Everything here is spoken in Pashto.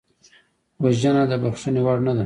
وژنه د بښنې وړ نه ده